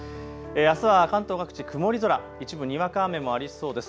あすは関東各地曇り空、一部にわか雨もありそうです。